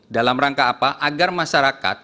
dalam rangka apa agar masyarakat